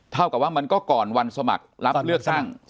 เท่ากับว่ามันก็ก่อนวันสมัครรับเลือกตั้ง